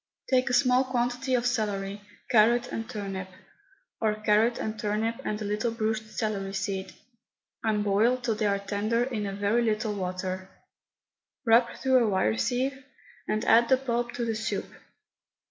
Take a small quantity of celery, carrot and turnip, or carrot and turnip and a little bruised celery seed, and boil till they are tender in a very little water; rub through a wire sieve, and add the pulp to the soup.